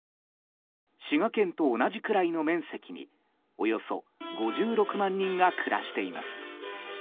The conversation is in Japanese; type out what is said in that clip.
滋賀県と同じくらいの面積におよそ５６万人が暮らしています。